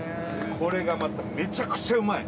これがまためちゃくちゃうまい！